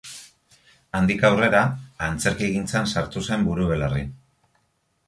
Handik aurrera, antzerkigintzan sartu zen buru-belarri.